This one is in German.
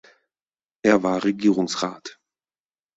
Er war Regierungsrat.